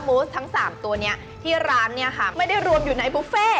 ูสทั้ง๓ตัวนี้ที่ร้านเนี่ยค่ะไม่ได้รวมอยู่ในบุฟเฟ่